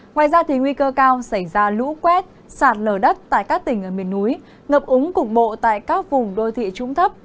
ngoài ra nguy cơ cao xảy ra lũ quét sạt lở đất tại các tỉnh ở miền núi ngập úng cục bộ tại các vùng đô thị trúng thấp